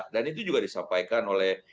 dan itu juga disampaikan oleh